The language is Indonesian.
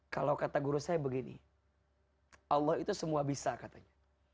kalau kata guru saya begini allah itu semua bisa katanya